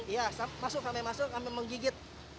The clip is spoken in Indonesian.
iya masuk sampai masuk kami menggigit